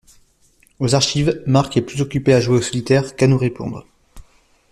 Aux archives, Marc est plus occupé à jouer au solitaire qu'à nous répondre.